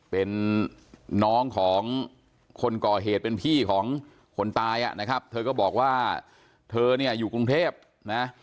เป็นน้องของคนก่อเหตุเป็นพี่ของคนตายอ่ะนะครับเธอก็บอกว่าเธอเนี่ยอยู่กรุงเทพนะ